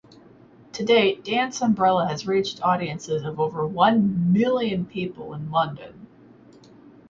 To date, Dance Umbrella has reached audiences of over one million people in London.